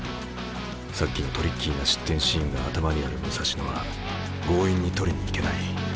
さっきのトリッキーな失点シーンが頭にある武蔵野は強引に取りに行けない。